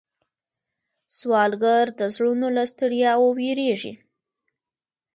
سوالګر د زړونو له ستړیا ویریږي